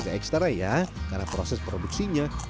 seeksternya ya karena proses produksinya